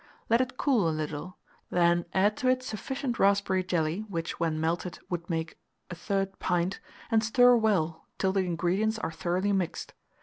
Let it cool a little; then add to it sufficient raspberry jelly, which, when melted, would make 1/3 pint, and stir well till the ingredients are thoroughly mixed.